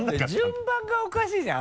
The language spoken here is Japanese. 順番がおかしいじゃん